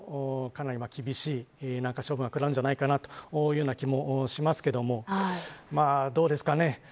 かなり厳しい処分が下るんじゃないかなという気もしますがどうですかね。